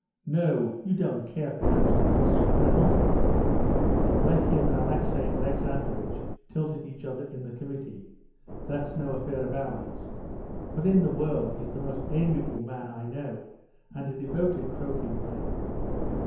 "No; you don't care, perhaps, to meet Stremov? Let him and Alexey Alexandrovitch tilt at each other in the committee—that's no affair of ours. But in the world, he's the most amiable man I know, and a devoted croquet player.